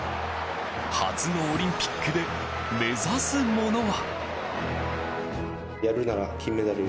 初のオリンピックで目指すものは。